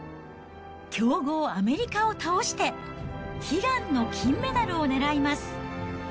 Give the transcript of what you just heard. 強豪、アメリカを倒して、悲願の金メダルをねらいます。